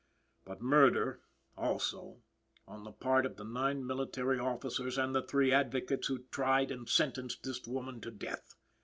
But murder, also, on the part of the nine military officers and the three advocates who tried and sentenced this woman to death.